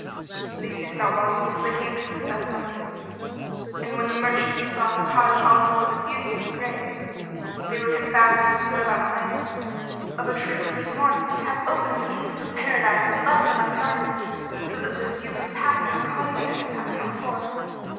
They ceased not walking till they came to the stuff market, and when the merchants saw Taj al Muluk's beauty and grace, they were confounded and went about saying, "Of a truth Rizwán[FN#14] hath opened the gates of Paradise and left them unguarded, so that this youth of passing comeliness hath come forth."